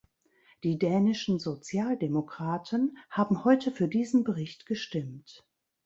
Die dänischen Sozialdemokraten haben heute für diesen Bericht gestimmt.